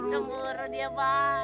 cemburu dia bang